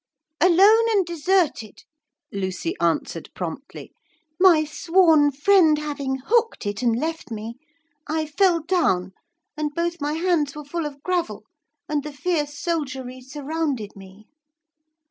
'Alone and deserted,' Lucy answered promptly, 'my sworn friend having hooked it and left me, I fell down, and both my hands were full of gravel, and the fierce soldiery surrounded me.'